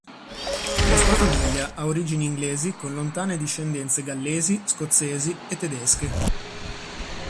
La sua famiglia ha origini inglesi con lontane discendenze gallesi, scozzesi e tedesche.